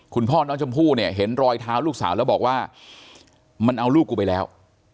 คุณพ่อน้องชมพู่เนี่ยเห็นรอยเท้าลูกสาวแล้วบอกว่ามันเอาลูกกูไปแล้ว